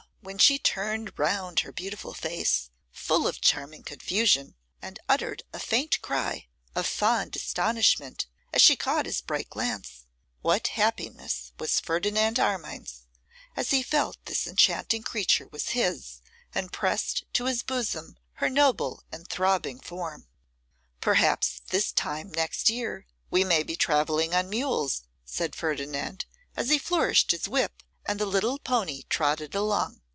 when she turned round her beautiful face, full of charming confusion, and uttered a faint cry of fond astonishment, as she caught his bright glance, what happiness was Ferdinand Armine's, as he felt this enchanting creature was his, and pressed to his bosom her noble and throbbing form! 'Perhaps this time next year, we may be travelling on mules,' said Ferdinand, as he flourished his whip, and the little pony trotted along.